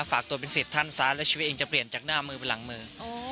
ฝากตัวเป็นสิทธิ์ท่านซะแล้วชีวิตเองจะเปลี่ยนจากหน้ามือไปหลังมือ